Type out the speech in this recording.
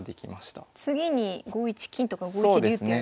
次に５一金とか５一竜ってやれば。